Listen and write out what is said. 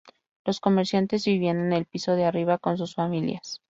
Los comerciantes vivían en el piso de arriba, con sus familias.